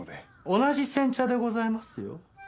同じ煎茶でございますよ。